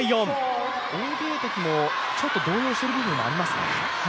王ゲイ迪もちょっと動揺している部分がありますか？